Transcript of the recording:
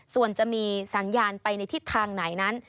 ส่วนจะมีสัญญาณไปในทิศทางไหนนั้น